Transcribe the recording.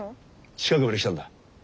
近くまで来たんだ。